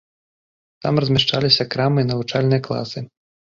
Там размяшчаліся крамы і навучальныя класы.